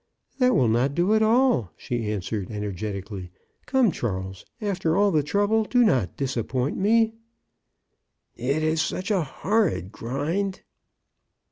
" That will not do at all," she answered, ener getically. " Come, Charles, after all the trouble, do not disappoint me." It is such a horrid grind."